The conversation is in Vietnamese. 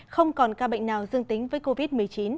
không còn ca bệnh nào dương tính với covid một mươi chín